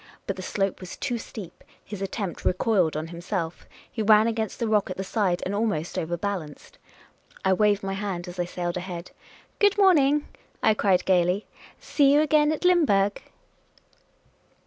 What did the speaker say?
But the slope was too steep ; his attempt recoiled on himself ; he ran against the rock at the side and almost overbalanced. That second lost him. I waved my h;Tnd as I sailed ahead. "Good morning," I cried, gaily. "See you again at Ivimburg